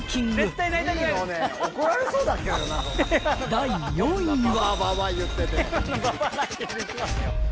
［第４位は］